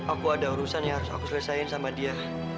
aku ada urusan yang harus aku selesaiin sama dia